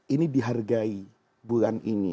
ini dihargai bulan ini